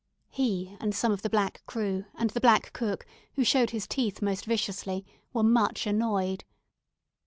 He and some of the black crew and the black cook, who showed his teeth most viciously, were much annoyed.